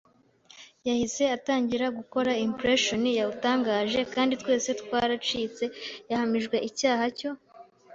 Yahise atangira gukora impression yuwatangaje kandi twese twaracitse Yahamijwe icyaha cyo